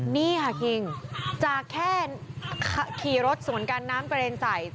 นี่ค่ะคิงจากแค่ขี่รถสวนกันน้ำกระเด็นใส่